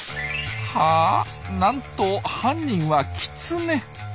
なんと犯人はキツネ。